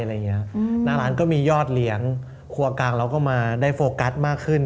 หน้าร้านก็มียอดเลี้ยงครัวกลางเราก็มาได้โฟกัสมากขึ้น